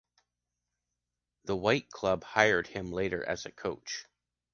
The white club hired him later as a coach.